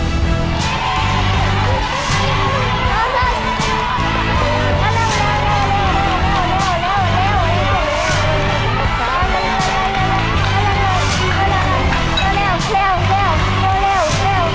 เร็วเร็วเร็ว